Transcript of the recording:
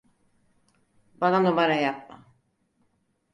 Bana numara yapma.